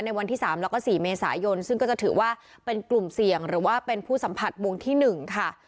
วันที่๓แล้วก็๔เมษายนซึ่งก็จะถือว่าเป็นกลุ่มเสี่ยงหรือว่าเป็นผู้สัมผัสวงที่๑ค่ะ